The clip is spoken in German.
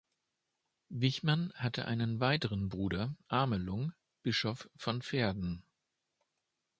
Wichmann hatte einen weiteren Bruder, Amelung, Bischof von Verden.